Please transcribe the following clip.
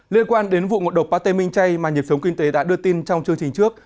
liên quan đến vụ ngộ độc pate minh chay mà nhịp sống kinh tế đã đưa tin trong chương trình trước